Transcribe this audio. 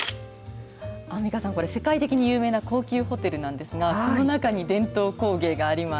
アンミカさん、これ、世界的に有名な高級ホテルなんですが、この中に伝統工芸があります。